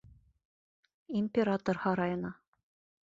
Император һарайына.